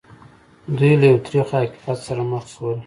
دوی له یو تریخ حقیقت سره مخ شول